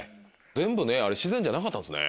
全部ねあれ自然じゃなかったんですね。